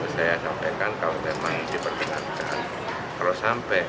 saya sampaikan kalau memang diperkenankan